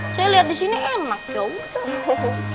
saya lihat disini enak ya udah